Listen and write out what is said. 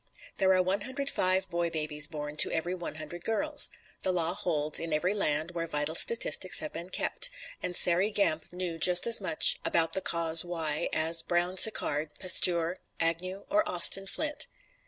There are one hundred five boy babies born to every one hundred girls. The law holds in every land where vital statistics have been kept; and Sairey Gamp knew just as much about the cause why as Brown Sequard, Pasteur, Agnew or Austin Flint.